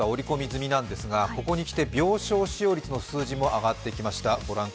済みなんですがここにきて、病床使用率の数字も上がってきました。